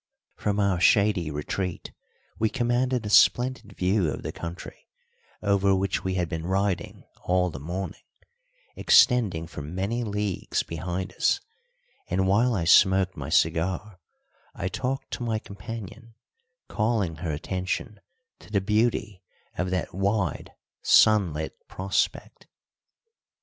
From our shady retreat we commanded a splendid view of the country over which we had been riding all the morning, extending for many leagues behind us, and while I smoked my cigar I talked to my companion, calling her attention to the beauty of that wide, sunlit prospect.